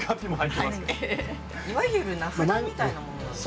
いわゆる名札みたいなものです。